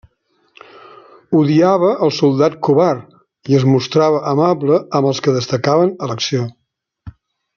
Odiava el soldat covard i es mostrava amable amb els que destacaven a l'acció.